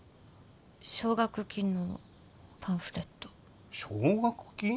奨学金のパンフレット奨学金？